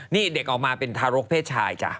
นี่เด็กออกมาเป็นทารกเพศชายจ้ะ